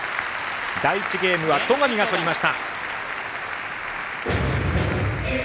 第１ゲームは戸上が取りました。